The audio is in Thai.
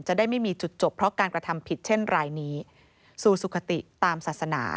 จะได้ไม่มีจุดจบเพราะการกระทำผิดเช่นรายนี้สู่สุขติตามศาสนา